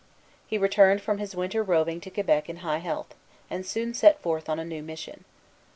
He returned from his winter roving to Quebec in high health, and soon set forth on a new mission.